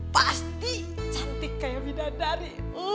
pasti cantik kayak bidadari